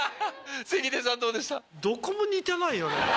関根さんどうでした？